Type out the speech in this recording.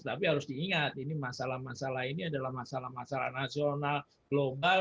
tapi harus diingat ini masalah masalah ini adalah masalah masalah nasional global